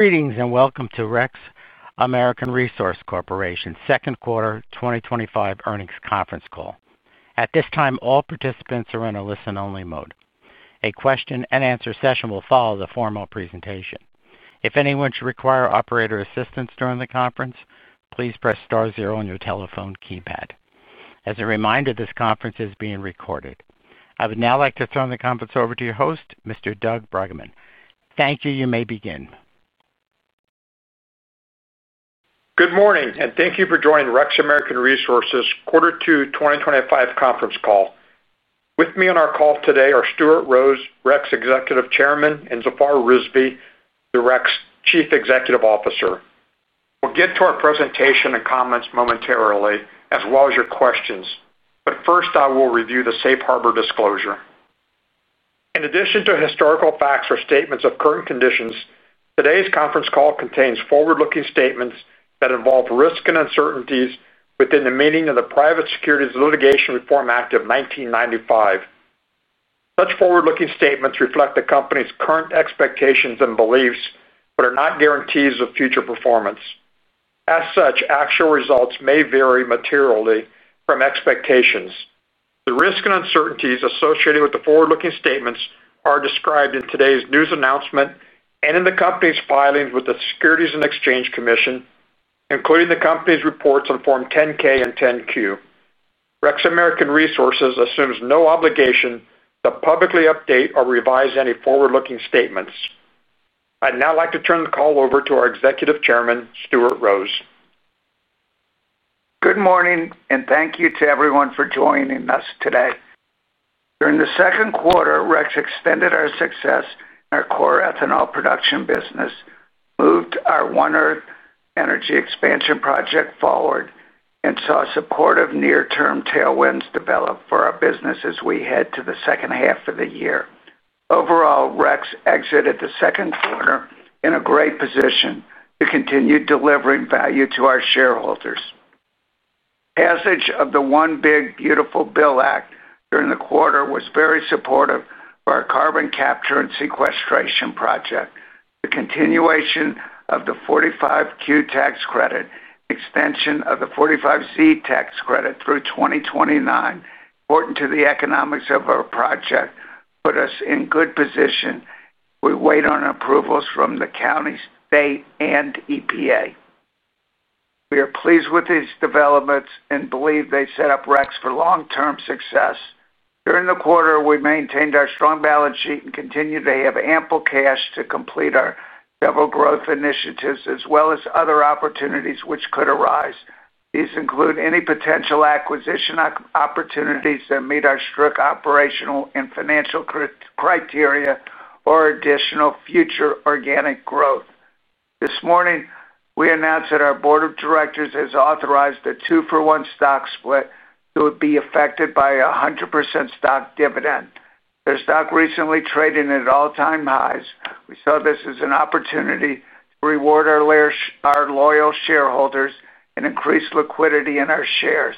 Greetings and welcome to REX American Resources Corporation's Second Quarter 2025 Earnings Conference Call. At this time, all participants are in a listen-only mode. A question and answer session will follow the formal presentation. If anyone should require operator assistance during the conference, please press star zero on your telephone keypad. As a reminder, this conference is being recorded. I would now like to turn the conference over to your host, Mr. Doug Bruggeman. Thank you. You may begin. Good morning and thank you for joining REX American Resources' Quarter Two 2025 Conference Call. With me on our call today are Stuart Rose, REX Executive Chairman, and Zafar Rizvi, the REX Chief Executive Officer. We'll get to our presentation and comments momentarily, as well as your questions. First, I will review the safe harbor disclosure. In addition to historical facts or statements of current conditions, today's conference call contains forward-looking statements that involve risk and uncertainties within the meaning of the Private Securities Litigation Reform Act of 1995. Such forward-looking statements reflect the company's current expectations and beliefs, but are not guarantees of future performance. As such, actual results may vary materially from expectations. The risks and uncertainties associated with the forward-looking statements are described in today's news announcement and in the company's filings with the Securities and Exchange Commission, including the company's reports on Form 10-K and 10-Q. REX American Resources assumes no obligation to publicly update or revise any forward-looking statements. I'd now like to turn the call over to our Executive Chairman, Stuart Rose. Good morning and thank you to everyone for joining us today. During the second quarter, REX extended our success in our core ethanol production business, moved our One Earth Energy expansion project forward, and saw supportive near-term tailwinds develop for our business as we head to the second half of the year. Overall, REX exited the second quarter in a great position to continue delivering value to our shareholders. The passage of the One Big Beautiful Bill Act during the quarter was very supportive for our carbon capture and sequestration project. The continuation of the 45Q tax credit, extension of the 45Z tax credit through 2029, important to the economics of our project, put us in a good position. We wait on approvals from the counties, state, and EPA. We are pleased with these developments and believe they set up REX for long-term success. During the quarter, we maintained our strong balance sheet and continue to have ample cash to complete our several growth initiatives, as well as other opportunities which could arise. These include any potential acquisition opportunities that meet our strict operational and financial criteria or additional future organic growth. This morning, we announced that our Board of Directors has authorized a two-for-one stock split that would be effected by a 100% stock dividend. Our stock recently traded at all-time highs. We saw this as an opportunity to reward our loyal shareholders and increase liquidity in our shares.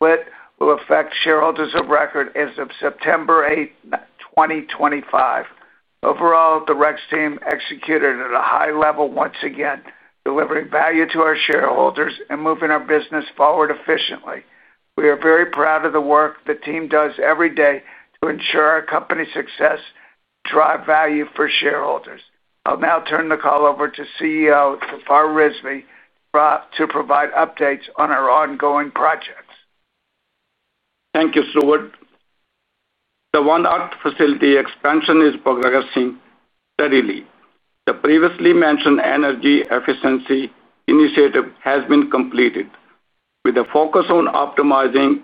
The split will affect shareholders of record as of September 8, 2025. Overall, the REX team executed at a high level once again, delivering value to our shareholders and moving our business forward efficiently. We are very proud of the work the team does every day to ensure our company's success and drive value for shareholders. I'll now turn the call over to CEO Zafar Rizvi to provide updates on our ongoing projects. Thank you, Stuart. The One Earth facility expansion is progressing steadily. The previously mentioned energy efficiency initiative has been completed, with a focus on optimizing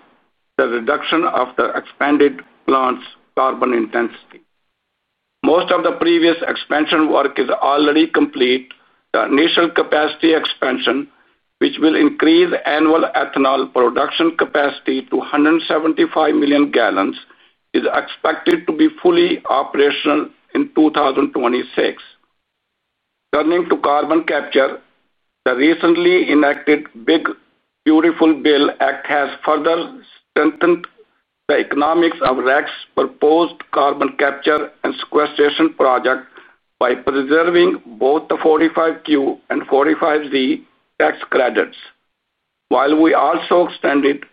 the reduction of the expanded plant's carbon intensity. Most of the previous expansion work is already complete. The initial capacity expansion, which will increase annual ethanol production capacity to 175 million gal, is expected to be fully operational in 2026. Turning to carbon capture, the recently enacted Big Beautiful Bill Act has further strengthened the economics of REX's proposed carbon capture and sequestration project by preserving both the 45Q and 45Z tax credits. While we also extended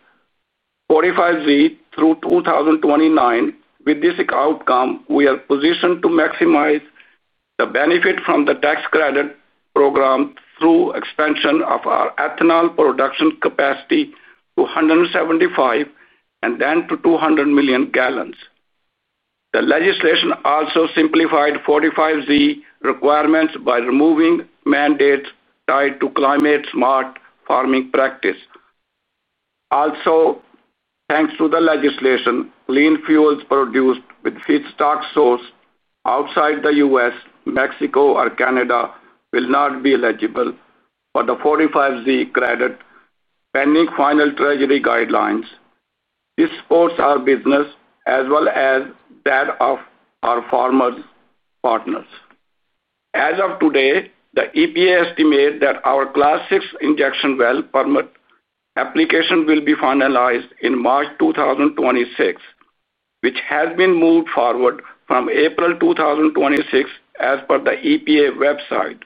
45Z through 2029, with this outcome, we are positioned to maximize the benefit from the tax credit program through expansion of our ethanol production capacity to 175 million gal and then to 200 million gal. The legislation also simplified 45Z requirements by removing mandates tied to climate-smart farming practices. Also, thanks to the legislation, clean fuels produced with feedstock sources outside the U.S., Mexico, or Canada will not be eligible for the 45Z credit pending final Treasury guidelines. This supports our business as well as that of our farmers' partners. As of today, the EPA estimates that our Class VI injection well permit application will be finalized in March 2026, which has been moved forward from April 2026, as per the EPA website.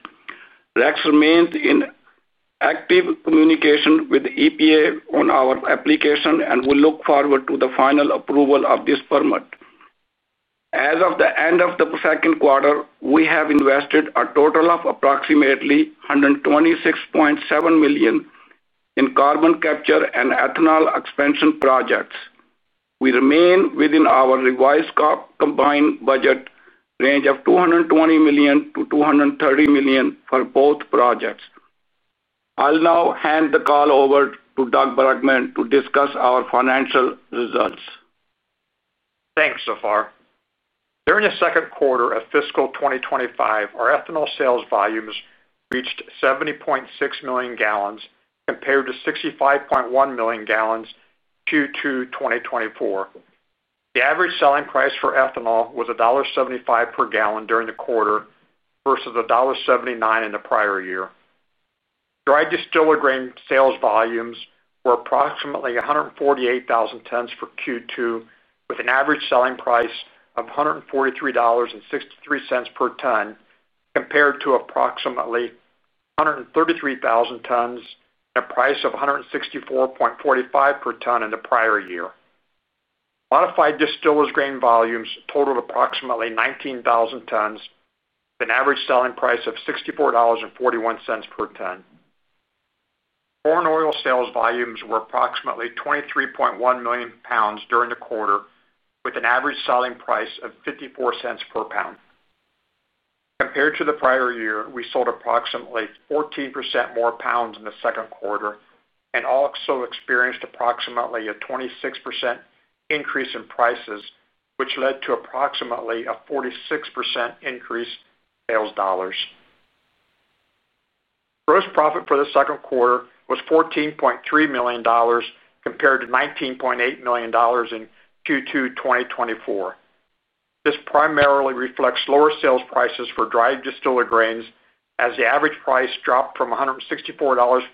REX remains in active communication with the EPA on our application and will look forward to the final approval of this permit. As of the end of the second quarter, we have invested a total of approximately $126.7 million in carbon capture and ethanol expansion projects. We remain within our revised combined budget range of $220 million-$230 million for both projects. I'll now hand the call over to Doug Bruggeman to discuss our financial results. Thanks, Zafar. During the second quarter of fiscal 2025, our ethanol sales volume reached 70.6 million gal compared to 65.1 million gal in Q2 2024. The average selling price for ethanol was $1.75 per gallon during the quarter versus $1.79 in the prior year. Dry distillers grain sales volumes were approximately 148,000 tons for Q2, with an average selling price of $143.63 per ton compared to approximately 133,000 tons and a price of $164.45 per ton in the prior year. Modified distillers grain volumes totaled approximately 19,000 tons with an average selling price of $64.41 per ton. Corn oil sales volumes were approximately 23.1 million lbs during the quarter, with an average selling price of $0.54 per pound. Compared to the prior year, we sold approximately 14% more pounds in the second quarter and also experienced approximately a 26% increase in prices, which led to approximately a 46% increase in sales dollars. Gross profit for the second quarter was $14.3 million compared to $19.8 million in Q2 2024. This primarily reflects lower sales prices for dry distillers grain, as the average price dropped from $164.45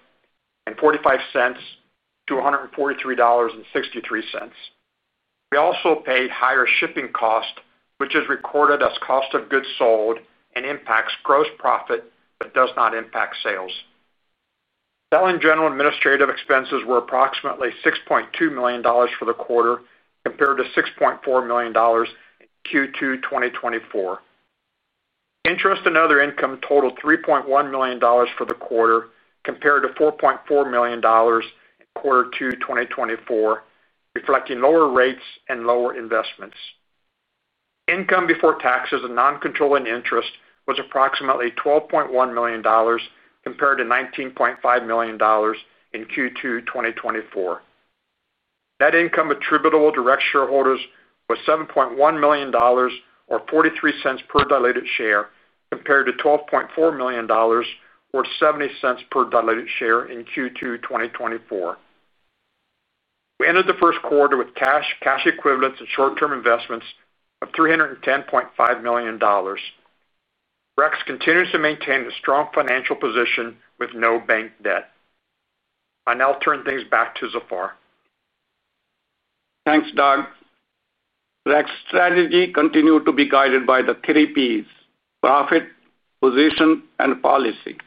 to $143.63. We also paid higher shipping costs, which is recorded as cost of goods sold and impacts gross profit but does not impact sales. Selling, general, and administrative expenses were approximately $6.2 million for the quarter compared to $6.4 million in Q2 2024. Interest and other income totaled $3.1 million for the quarter compared to $4.4 million in Q2 2024, reflecting lower rates and lower investments. Income before taxes and non-controlling interest was approximately $12.1 million compared to $19.5 million in Q2 2024. Net income attributable to REX shareholders was $7.1 million or $0.43 per diluted share compared to $12.4 million or $0.70 per diluted share in Q2 2024. We ended the first quarter with cash, cash equivalents, and short-term investments of $310.5 million. REX continues to maintain a strong financial position with no bank debt. I'll now turn things back to Zafar. Thanks, Doug. REX's strategy continues to be guided by the three P's: profit, position, and policy.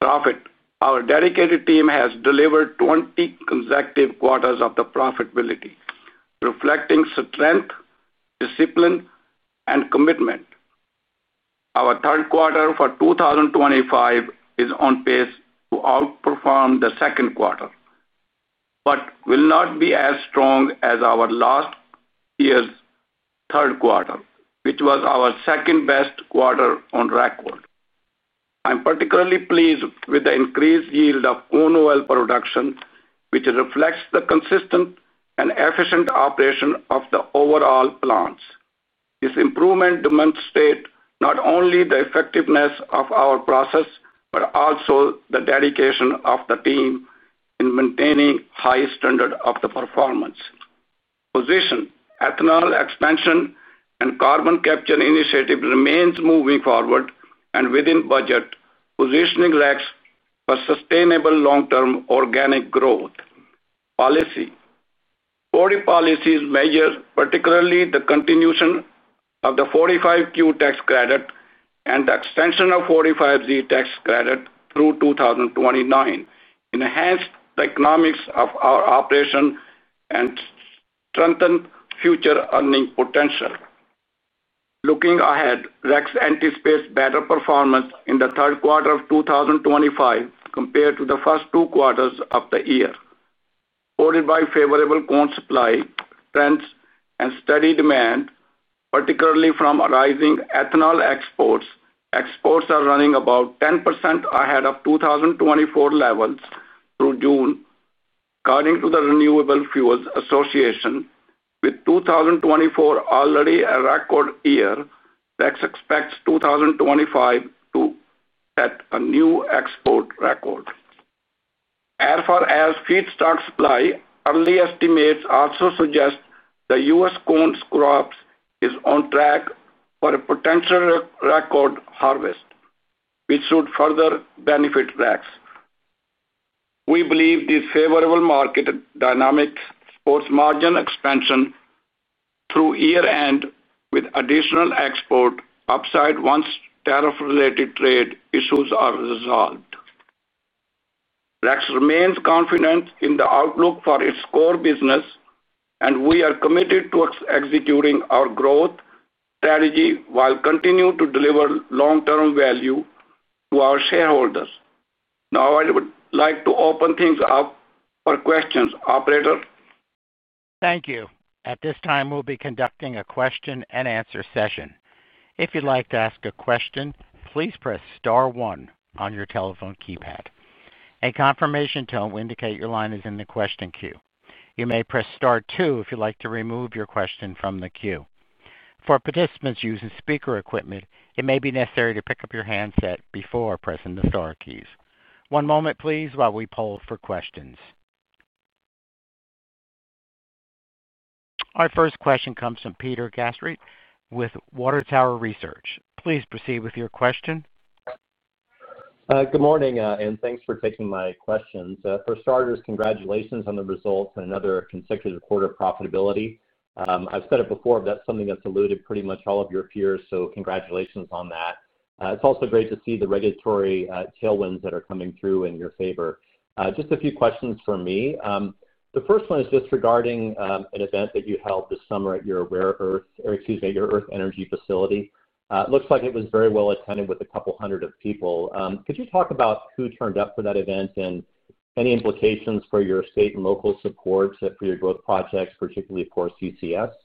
Profit: our dedicated team has delivered 20 consecutive quarters of profitability, reflecting strength, discipline, and commitment. Our third quarter for 2025 is on pace to outperform the second quarter, but will not be as strong as last year's third quarter, which was our second-best quarter on record. I'm particularly pleased with the increased yield of corn oil production, which reflects the consistent and efficient operation of the overall plants. This improvement demonstrates not only the effectiveness of our process but also the dedication of the team in maintaining a high standard of performance. Position: ethanol production expansion and carbon capture and sequestration initiative remains moving forward and within budget, positioning REX for sustainable long-term organic growth. Policy: forwarding policies measure particularly the continuation of the 45Q tax credit and the extension of the 45Z tax credit through 2029, enhancing the economics of our operation and strengthening future earning potential. Looking ahead, REX anticipates better performance in the third quarter of 2025 compared to the first two quarters of the year. Supported by favorable corn supply trends and steady demand, particularly from rising ethanol export demand, exports are running about 10% ahead of 2024 levels through June, according to the Renewable Fuels Association. With 2024 already a record year, REX expects 2025 to set a new export record. As far as feedstock supply, early estimates also suggest the U.S. corn crop is on track for a potential record harvest, which should further benefit REX. We believe these favorable market dynamics force margin expansion through year-end, with additional export upside once tariff-related trade issues are resolved. REX remains confident in the outlook for its core business, and we are committed to executing our growth strategy while continuing to deliver long-term value to our shareholders. Now, I would like to open things up for questions. Operator? Thank you. At this time, we'll be conducting a question and answer session. If you'd like to ask a question, please press star one on your telephone keypad. A confirmation tone will indicate your line is in the question queue. You may press star two if you'd like to remove your question from the queue. For participants using speaker equipment, it may be necessary to pick up your handset before pressing the star keys. One moment, please, while we poll for questions. Our first question comes from Peter Gastreich with Water Tower Research. Please proceed with your question. Good morning, and thanks for taking my questions. For starters, congratulations on the results in another consecutive quarter of profitability. I've said it before, but that's something that's eluded pretty much all of your peers, so congratulations on that. It's also great to see the regulatory tailwinds that are coming through in your favor. Just a few questions from me. The first one is just regarding an event that you held this summer at your Earth Energy facility. It looks like it was very well attended with a couple hundred people. Could you talk about who turned up for that event and any implications for your state and local support for your growth projects, particularly for carbon capture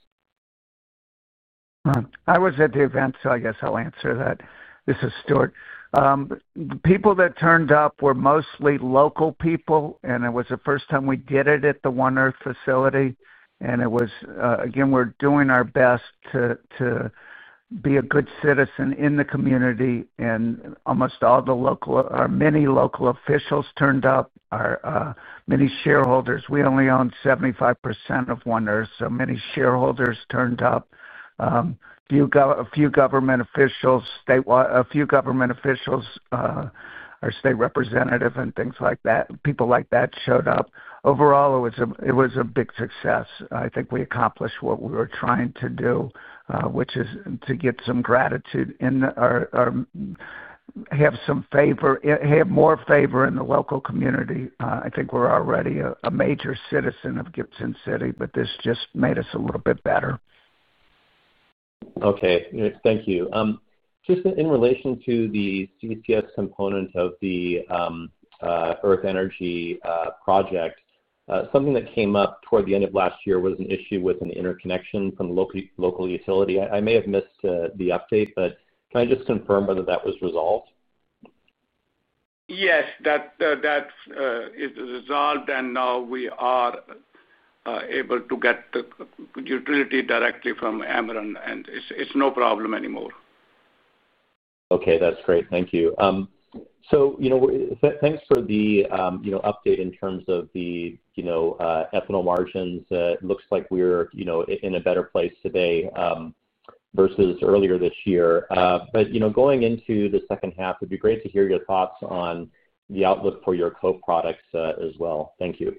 and sequestration? I was at the event, so I guess I'll answer that. This is Stuart. The people that turned up were mostly local people, and it was the first time we did it at the One Earth facility. We're doing our best to be a good citizen in the community, and almost all the local or many local officials turned up. Our many shareholders, we only own 75% of One Earth, so many shareholders turned up. A few government officials, statewide, a few government officials, our state representative, and people like that showed up. Overall, it was a big success. I think we accomplished what we were trying to do, which is to get some gratitude in our, have some favor, have more favor in the local community. I think we're already a major citizen of Gibson City, but this just made us a little bit better. Okay. Thank you. Just in relation to the CCS component of the Earth Energy project, something that came up toward the end of last year was an issue with an interconnection from the local utility. I may have missed the update, but can I just confirm whether that was resolved? Yes, that is resolved, and now we are able to get the utility directly from Ameren, and it's no problem anymore. Thank you. Thank you for the update in terms of the ethanol margins. It looks like we're in a better place today versus earlier this year. Going into the second half, it'd be great to hear your thoughts on the outlook for your co-products as well. Thank you.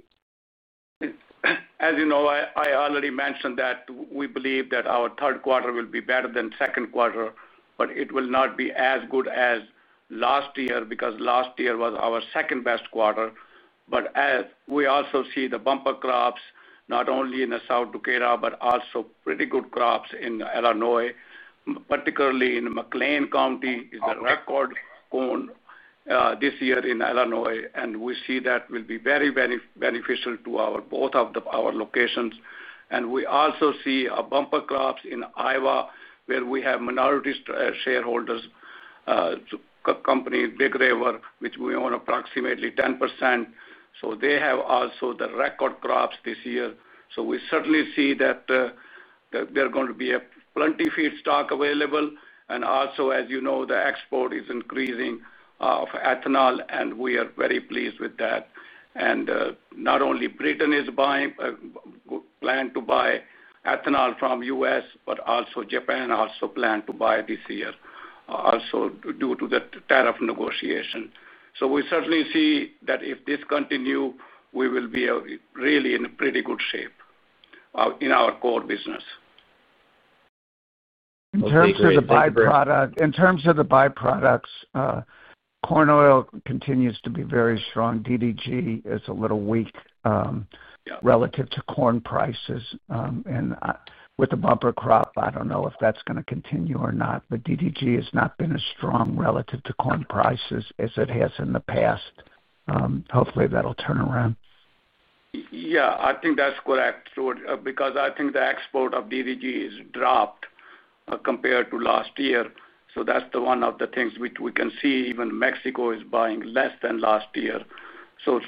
As you know, I already mentioned that we believe that our third quarter will be better than the second quarter, but it will not be as good as last year because last year was our second-best quarter. As we also see the bumper crops, not only in South Dakota, but also pretty good crops in Illinois, particularly in McLean County, it is the record corn this year in Illinois. We see that will be very, very beneficial to both of our locations. We also see bumper crops in Iowa, where we have minority shareholders, a company, Big River, which we own approximately 10%. They have also the record crops this year. We certainly see that there's going to be plenty of feedstock available. Also, as you know, the export is increasing of ethanol, and we are very pleased with that. Not only Britain is buying, planning to buy ethanol from the U.S., but also Japan also plans to buy this year, also due to the tariff negotiation. We certainly see that if this continues, we will be really in pretty good shape in our core business. In terms of the byproducts, in terms of the corn oil continues to be very strong. DDG is a little weak relative to corn prices. With the bumper crop, I don't know if that's going to continue or not, but DDG has not been as strong relative to corn prices as it has in the past. Hopefully, that'll turn around. Yeah, I think that's correct, Stuart, because I think the export of DDG has dropped compared to last year. That's one of the things which we can see. Even Mexico is buying less than last year, the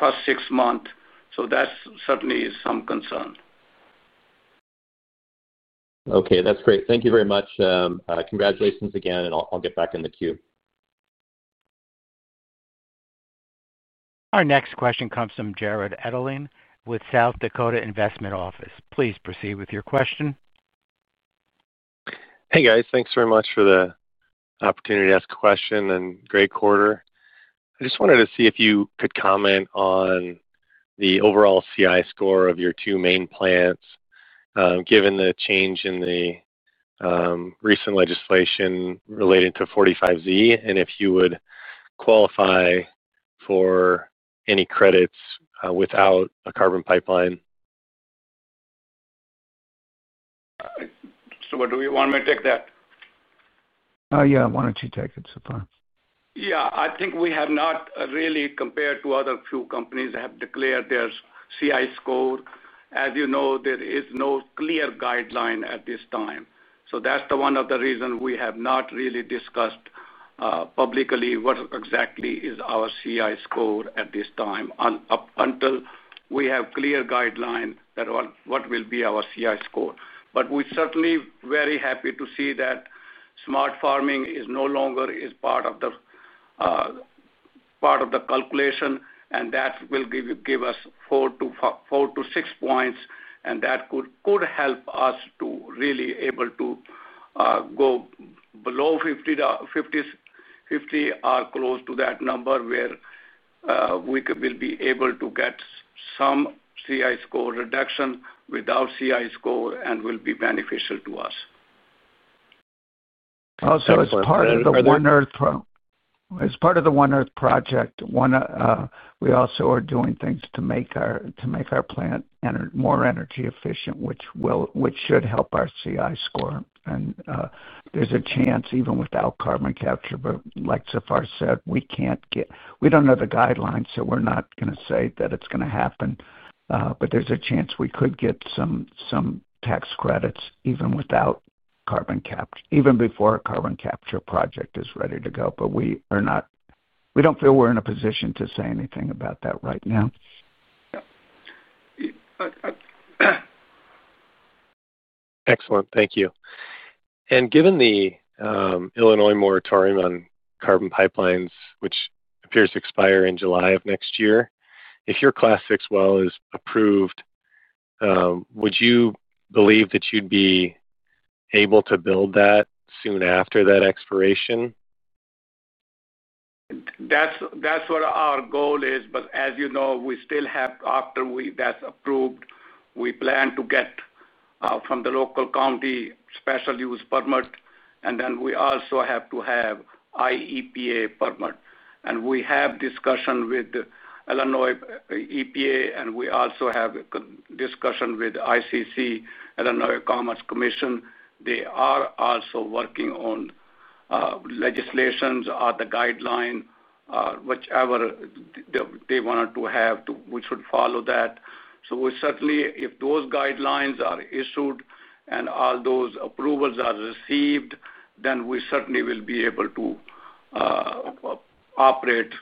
first six months. That certainly is some concern. Okay. That's great. Thank you very much. Congratulations again, and I'll get back in the queue. Our next question comes from Jarrod Edelen with South Dakota Investment Council. Please proceed with your question. Hey, guys. Thanks very much for the opportunity to ask a question and great quarter. I just wanted to see if you could comment on the overall CI score of your two main plants, given the change in the recent legislation relating to 45Z, and if you would qualify for any credits without a carbon pipeline. Stuart, do you want me to take that? Yeah, why don't you take it, Zafar? Yeah, I think we have not really, compared to other few companies that have declared their CI score. As you know, there is no clear guideline at this time. That's one of the reasons we have not really discussed publicly what exactly is our CI score at this time until we have a clear guideline that what will be our CI score. We're certainly very happy to see that smart farming is no longer part of the calculation, and that will give us 4-6 points, and that could help us to really be able to go below 50 or close to that number where we will be able to get some CI score reduction, and will be beneficial to us. Also, as part of the One Earth project, we also are doing things to make our plant more energy efficient, which should help our CI score. There's a chance, even without carbon capture, but like Zafar said, we can't get, we don't know the guidelines, so we're not going to say that it's going to happen. There's a chance we could get some tax credits even without carbon capture, even before a carbon capture project is ready to go. We are not, we don't feel we're in a position to say anything about that right now. Excellent. Thank you. Given the Illinois moratorium on carbon pipelines, which appears to expire in July of next year, if your Class VI well permit is approved, would you believe that you'd be able to build that soon after that expiration? That's what our goal is. As you know, we still have, after that's approved, we plan to get from the local county special use permit, and then we also have to have the IEPA permit. We have discussion with the Illinois EPA, and we also have a discussion with the ICC, Illinois Commerce Commission. They are also working on legislations or the guidelines, whichever they want to have, which would follow that. If those guidelines are issued and all those approvals are received, then we certainly will be able to operate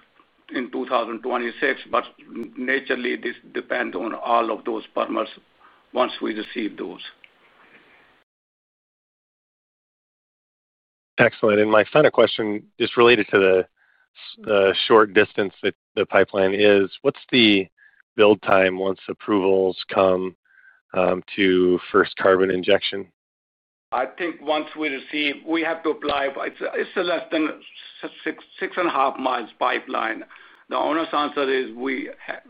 in 2026. Naturally, this depends on all of those permits once we receive those. Excellent. My final question, just related to the short distance that the pipeline is, what's the build time once approvals come to first carbon injection? I think once we receive, we have to apply. It's a less than 6.5 mi pipeline. The honest answer is we have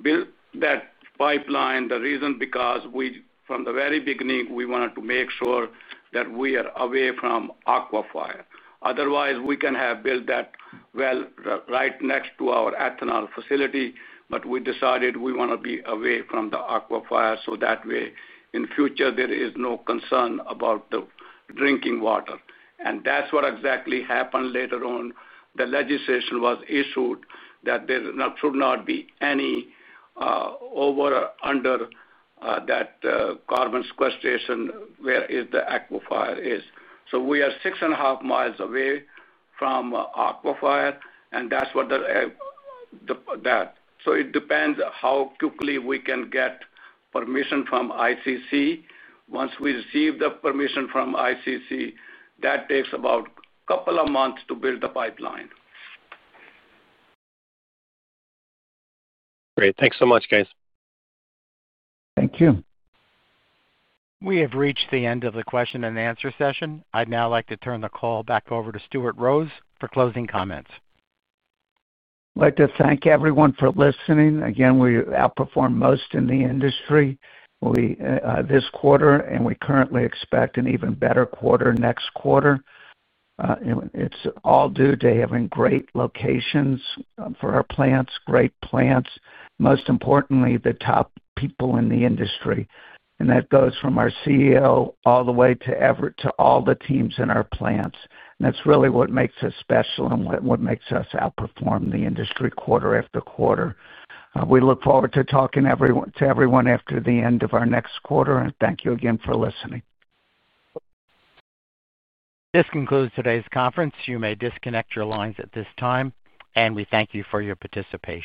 built that pipeline, the reason because we, from the very beginning, we wanted to make sure that we are away from aquifer. Otherwise, we can have built that well right next to our ethanol facility, but we decided we want to be away from the aquifer, that way, in the future, there is no concern about the drinking water. That's what exactly happened later on. The legislation was issued that there should not be any over or under that carbon sequestration where the aquifer is. We are 6.5 mi away from aquifer, and that's what that. It depends how quickly we can get permission from ICC. Once we receive the permission from ICC, that takes about a couple of months to build the pipeline. Great. Thanks so much, guys. Thank you. We have reached the end of the question and answer session. I'd now like to turn the call back over to Stuart Rose for closing comments. I'd like to thank everyone for listening. Again, we outperformed most in the industry this quarter, and we currently expect an even better quarter next quarter. It's all due to having great locations for our plants, great plants, and most importantly, the top people in the industry. That goes from our CEO all the way to all the teams in our plants. That's really what makes us special and what makes us outperform the industry quarter after quarter. We look forward to talking to everyone after the end of our next quarter, and thank you again for listening. This concludes today's conference. You may disconnect your lines at this time, and we thank you for your participation.